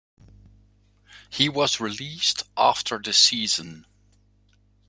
He was released after the season.